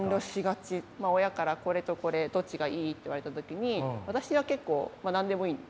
親から「これとこれどっちがいい？」って言われた時に私は結構何でもいいんですよね。